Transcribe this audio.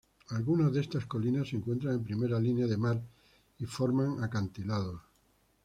Algunas de estas colinas se encuentran en primera línea de mar y forman acantilados.